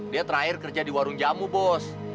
dia terakhir kerja di warung jamu bos